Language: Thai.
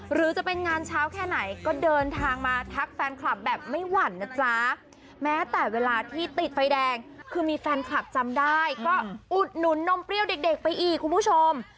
หรือจะเป็นงานเช้าแค่ไหนก็เดินทางมาทักแฟนคลับแบบไม่หวั่นนะจ๊ะแม้แต่เวลาที่ติดไฟแดงคือมีแฟนคลับจำได้ก็อุดหนุนนมเปรี้ยวเด็กไปอีกคุณผู้ชม